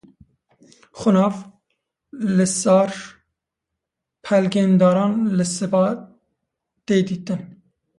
xûnav li sar pelgên daran li siba tê dîtin